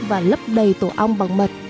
và lấp đầy tổ ong bằng mật